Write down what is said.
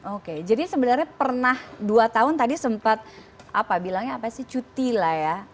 oke jadi sebenarnya pernah dua tahun tadi sempat apa bilangnya apa sih cuti lah ya